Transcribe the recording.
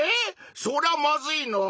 そりゃまずいのぉ。